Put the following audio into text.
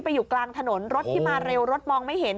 อยู่กลางถนนรถที่มาเร็วรถมองไม่เห็น